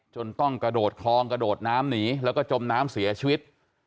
จนต้องกระโดดคลองกระโดดน้ำหนีแล้วก็จมน้ำเสียชีวิต